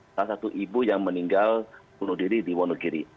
salah satu ibu yang meninggal bunuh diri di wonogiri